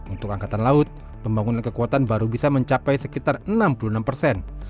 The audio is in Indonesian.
untuk angkatan laut pembangunan kekuatan baru bisa mencapai sekitar enam puluh enam persen